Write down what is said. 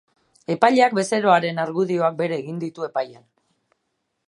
Epaileak bezeroaren argudioak bere egin ditu, epaian.